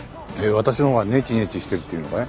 私の方がネチネチしてるっていうのかい？